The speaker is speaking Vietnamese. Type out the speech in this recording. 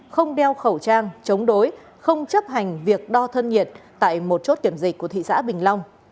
không đeo khẩu trang chống đối không chấp hành việc đo thân nhiệt tại một chốt kiểm dịch của thị xã bình long